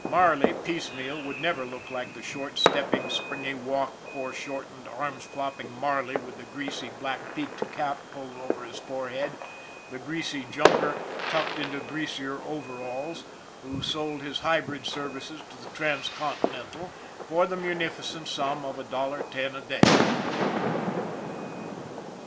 Marley, piecemeal, would never look like the short stepping, springy walked, foreshort ened, arms flopping Marley with the greasy black peaked cap pulled over his forehead, the greasy jumper 212 ON THE IRON AT BIG CLOUD tucked into greasier overalls who sold his hybrid serv ices to the Transcontinental for the munificent sum of a dollar ten a day.